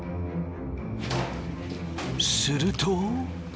すると。